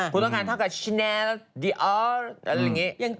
คุณต้องการเท่ากับชิเนลดีออร์อะไรแบบนี้